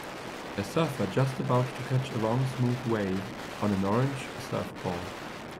A surfer just about to catch a long smooth wave on an orange surfboard.